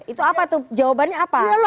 itu apa tuh jawabannya apa